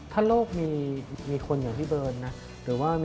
ถ้าโลกมีคนอย่างพี่เบิร์นนะ